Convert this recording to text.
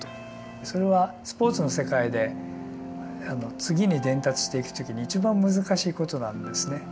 それはスポーツの世界で次に伝達していく時に一番難しいことなんですね。